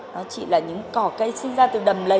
nó chỉ là những cỏ cây sinh ra từ đầm lấy